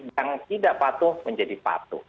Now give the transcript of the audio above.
yang tidak patuh menjadi patuh